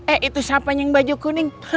eh itu siapanya yang baju kuning